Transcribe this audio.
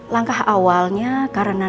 langkah awalnya karena nailah